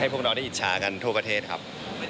ให้พวกเราได้อิจฉากันทั่วประเทศครับ